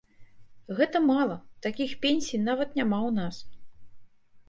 Гэта мала, такіх пенсій нават няма ў нас.